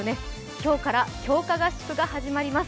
今日から強化合宿が始まります。